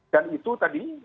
dan itu tadi